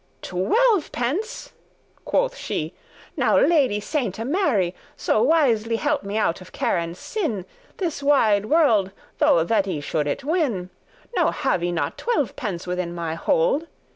"Twelvepence!" quoth she; "now lady Sainte Mary So wisly* help me out of care and sin, *surely This wide world though that I should it win, No have I not twelvepence within my hold.